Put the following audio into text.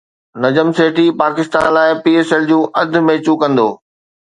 نجم سيٺي پاڪستان لاءِ P S L جون اڌ ميچون ڪندو